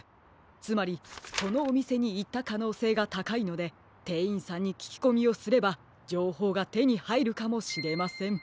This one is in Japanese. つまりこのおみせにいったかのうせいがたかいのでてんいんさんにききこみをすればじょうほうがてにはいるかもしれません。